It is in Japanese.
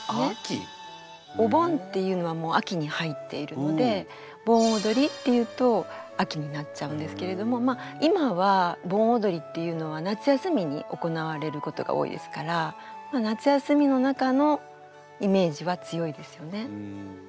お盆っていうのはもう秋に入っているので盆踊りっていうと秋になっちゃうんですけれどもまあ今は盆踊りっていうのは夏休みに行われることが多いですから夏休みの中のイメージは強いですよね。